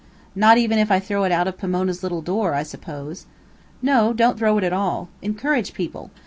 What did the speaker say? "Not even if I throw it out of Pomona's little door, I suppose." "No. Don't throw it at all. Encourage people.